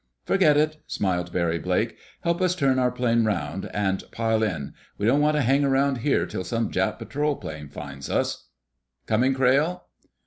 "Forget it!" smiled Barry Blake. "Help us turn our plane around, and pile in. We don't want to hang around here till some Jap patrol plane finds us.... Coming, Crayle?"